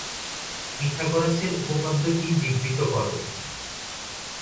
পিথাগোরাসের উপপাদ্যটি বিবৃত করো।